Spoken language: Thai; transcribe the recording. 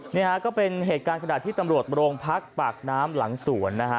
นี่ฮะก็เป็นเหตุการณ์ขณะที่ตำรวจโรงพักปากน้ำหลังสวนนะฮะ